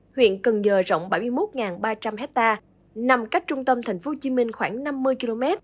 huyện cần giờ rộng bảy mươi một ba trăm linh hectare nằm cách trung tâm tp hcm khoảng năm mươi km